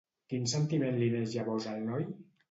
Quin sentiment li neix llavors al noi?